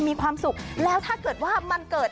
มีความสุขแล้วถ้าเกิดว่ามันเกิด